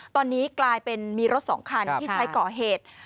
ตอนนี้กลายเป็นมีรถสองคันที่ใช้ก่อเหตุ